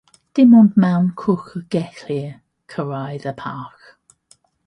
Dim ond mewn cwch y gellir cyrraedd y parc.